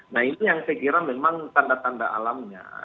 nah itu yang saya kira memang tanda tanda alamnya